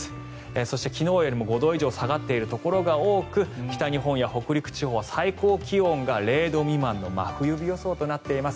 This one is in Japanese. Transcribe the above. そして、昨日よりも５度以上下がっているところが多く北日本や北陸地方は最高気温が０度未満の真冬日予想となっています。